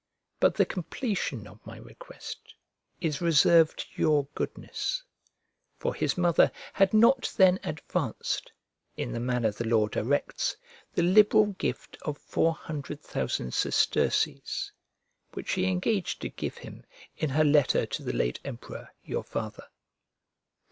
But the completion of my request is reserved to your goodness; for his mother had not then advanced, in the manner the law directs, the liberal gift of four hundred thousand sesterces, which she engaged to give him, in her letter to the late emperor, your father.